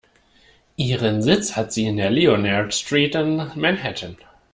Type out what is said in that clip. Ihren Sitz hat sie in der Leonard Street in Manhattan.